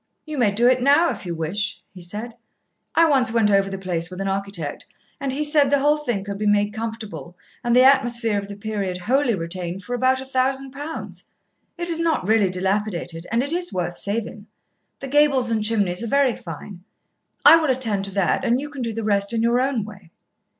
"You may do it now, if you wish," he said. "I once went over the place with an architect, and he said the whole thing could be made comfortable and the atmosphere of the period wholly retained for about a thousand pounds. It is not really dilapidated and it is worth saving. The gables and chimneys are very fine. I will attend to that, and you can do the rest in your own way."